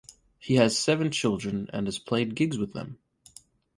He has seven children, and has played gigs with them.